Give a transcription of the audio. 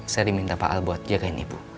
saya diminta pak al buat jagain ibu